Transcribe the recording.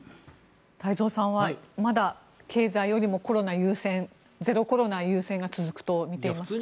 太蔵さんはまだ経済よりもコロナ優先ゼロコロナ優先が続くとみていますか？